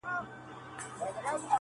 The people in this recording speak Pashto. خبر سوم چي یو څرک یې لېونیو دی میندلی!.